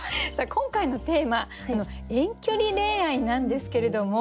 今回のテーマ「遠距離恋愛」なんですけれども。